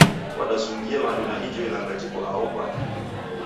Wadasungia w'andu na ilanga jiko aho kwake